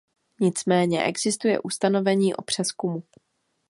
Nicméně existuje ustanovení o přezkumu.